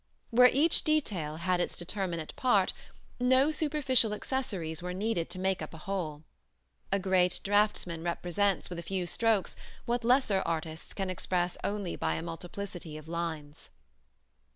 Where each detail had its determinate part, no superficial accessories were needed to make up a whole: a great draughtsman represents with a few strokes what lesser artists can express only by a multiplicity of lines.